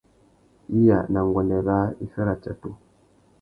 Iya na nguêndê râā, iffê râtsatu.